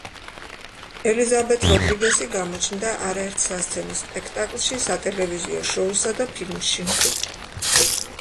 ელიზაბეთ როდრიგესი გამოჩნდა არაერთ სასცენო სპექტაკლში, სატელევიზიო შოუსა და ფილმში.